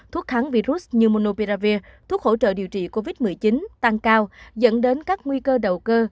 thuốc kháng virus như monopia thuốc hỗ trợ điều trị covid một mươi chín tăng cao dẫn đến các nguy cơ đầu cơ